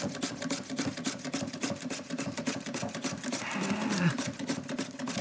へえ。